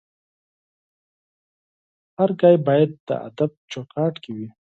هره خبره باید د ادب چوکاټ کې وي